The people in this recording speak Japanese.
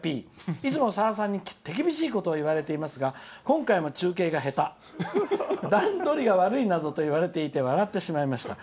いつも、さださんに手厳しいことを言われていますが中継が下手、段取りが悪いなどと言われていて笑ってしまいました。